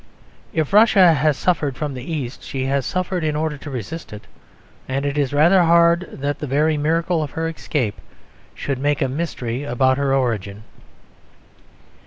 If Russia has suffered from the East she has suffered in order to resist it: and it is rather hard that the very miracle of her escape should make a mystery about her origin.